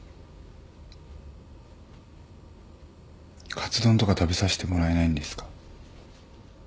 カツ丼とか食べさせてもらえないんですか？